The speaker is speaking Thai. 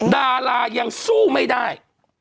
ดารายังสู้ไม่ได้